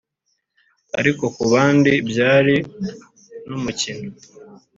ariko ku bandi byari n’umukino